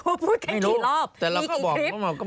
พูดแค่กี่รอบมีกี่คลิป